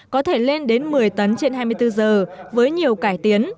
có thể lên đến một mươi tấn trên hai mươi bốn giờ với nhiều cải tiến